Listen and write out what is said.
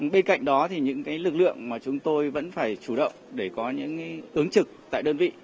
bên cạnh đó thì những lực lượng mà chúng tôi vẫn phải chủ động để có những ứng trực tại đơn vị